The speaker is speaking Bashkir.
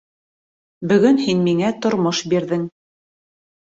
— Бөгөн һин миңә тормош бирҙең.